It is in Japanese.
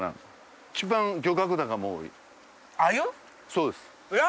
そうです。わ！